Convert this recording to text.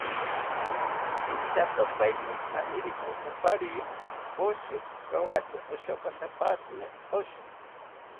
Inchatopaeni aririka oparye oshipaeni, rojatzi oshokanta pashini oshi